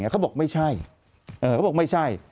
เขาบอกไม่ใช่